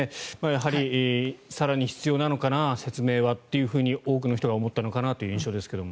やはり更に必要なのかな説明はというのは多くの人が思ったのかなという印象ですけど。